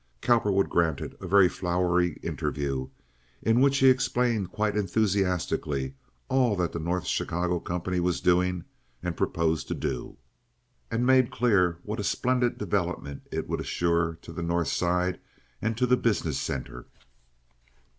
Cowperwood granted a very flowery interview, in which he explained quite enthusiastically all that the North Chicago company was doing and proposed to do, and made clear what a splendid development it would assure to the North Side and to the business center.